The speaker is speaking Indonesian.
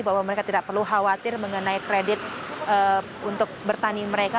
bahwa mereka tidak perlu khawatir mengenai kredit untuk bertani mereka